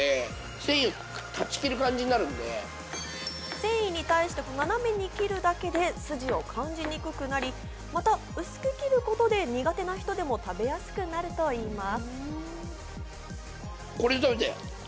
繊維に対して斜めに切るだけで筋を感じにくくなり、また薄く切ることで苦手な人でも食べやすくなるといいます。